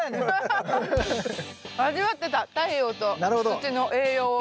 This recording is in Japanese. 味わってた太陽と土の栄養を。